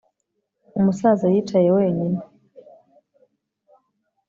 umusaza yicaye wenyine